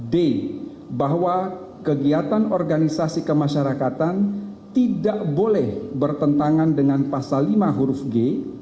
d bahwa kegiatan organisasi kemasyarakatan tidak boleh bertentangan dengan pasal lima huruf g